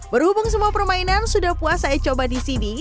berhubung semua permainan sudah puas saya coba di sini